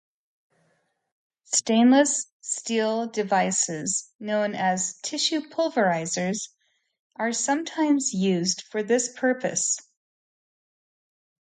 Stainless steel devices known as tissue pulverizers are sometimes used for this purpose.